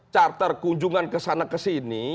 charter kunjungan kesana kesini